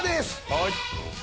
はい。